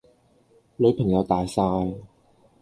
女朋友大曬